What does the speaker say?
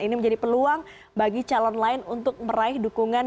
ini menjadi peluang bagi calon lain untuk meraih dukungan